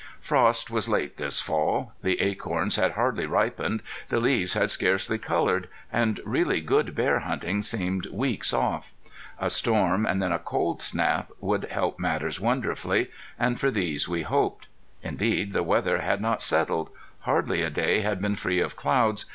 Frost was late this fall. The acorns had hardly ripened, the leaves had scarcely colored; and really good bear hunting seemed weeks off. A storm and then a cold snap would help matters wonderfully, and for these we hoped. Indeed the weather had not settled; hardly a day had been free of clouds.